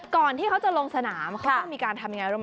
ก่อนที่เขาจะลงสนามเขาต้องมีการทำยังไงรู้ไหม